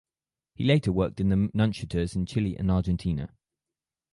He later worked in the nunciatures in Chile and Argentina.